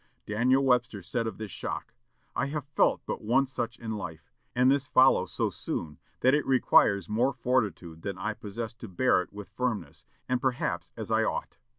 Daniel Webster said of this shock, "I have felt but one such in life; and this follows so soon that it requires more fortitude than I possess to bear it with firmness, and, perhaps, as I ought.